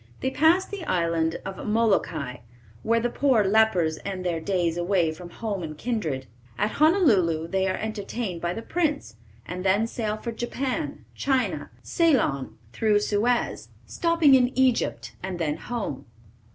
They pass the island of Molokai, where the poor lepers end their days away from home and kindred. At Honolulu they are entertained by the Prince, and then sail for Japan, China, Ceylon, through Suez, stopping in Egypt, and then home.